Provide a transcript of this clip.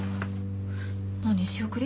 何仕送り？